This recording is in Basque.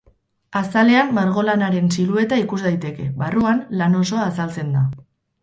Azalean margolanaren silueta ikus daiteke; barruan, lan osoa azaltzen da.